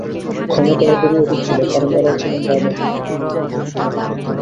ক্ষমতাও এঁদেরই অধিক ছিল, কারণ এঁরাই ছিলেন রাজা।